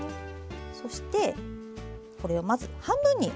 そしてこれをまず半分に折ります。